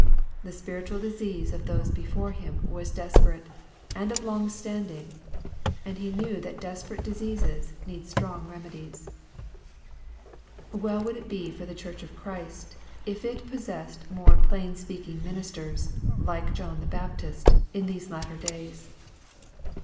The spiritual disease of tHose before him was desperate, and of long standing, and he knew that desperate diseases need strong remedies. Well would it be for the Church of Christ, if it pos sessed more plain speaking ministers, like John the Baptist, in these latter days.